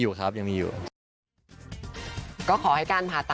โอ้ขอบคุณครับ